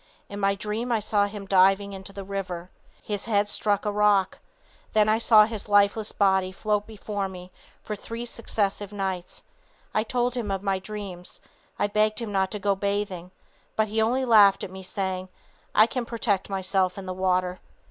In my dream I saw him diving into the river. His head struck a rock, then I saw his lifeless body float before me for three successive nights. I told him of my dream. I begged him not to go bathing, but he only laughed at me, saying, 'I can protect myself in the water.'